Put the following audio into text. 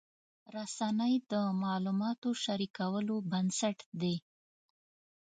رسنۍ د معلوماتو شریکولو بنسټ دي.